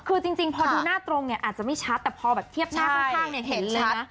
คือจริงพอดูหน้าตรงเนี่ยอาจจะไม่ชัดแต่พอแบบเทียบหน้าข้างเนี่ยเห็นเลยนะ